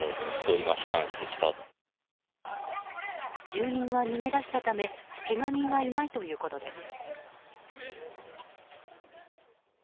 住民は逃げ出したためけが人はいないということです。